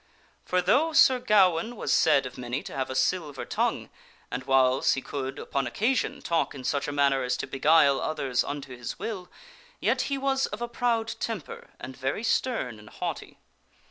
For, though Sir Gawaine was said of many to have a silver tongue, and whiles he could upon occasion talk in such a manner as to beguile others unto his will, yet he was of a proud temper and very stern and haughty.